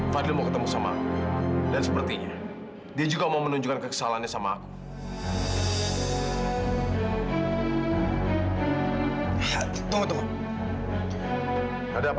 saat itu kedua warga perjuangan kutip